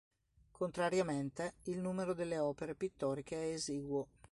Contrariamente, il numero delle opere pittoriche è esiguo.